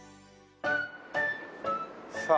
さあ。